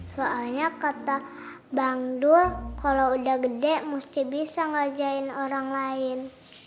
soalnya kata bangdul kalo udah gede musti bisa ngajain orang lain